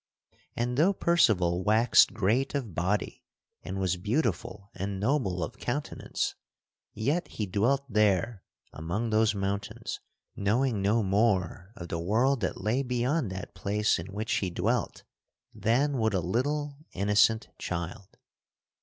And though Percival waxed great of body and was beautiful and noble of countenance, yet he dwelt there among those mountains knowing no more of the world that lay beyond that place in which he dwelt than would a little innocent child.